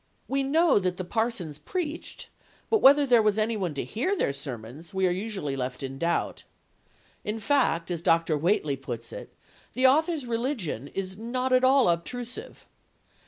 We know that the parsons preached, but whether there was any one to hear their sermons we are usually left in doubt. In fact, as Dr. Whately puts it, the author's religion is "not at all obtrusive."